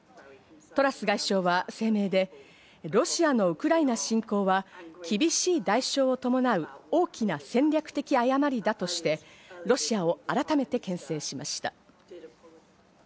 トラス外相は声明で、ロシアのウクライナ侵攻は厳しい代償を伴う大きな戦略的誤りだとして、ロシアを改めて牽制しました。